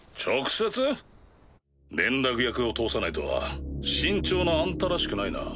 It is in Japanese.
連絡役を通さないとは慎重なあんたらしくないな。